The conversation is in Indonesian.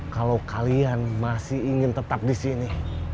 kalau kalian masih ingin tetap di sini